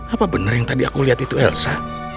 apa bener yang tadi aku liat itu elsa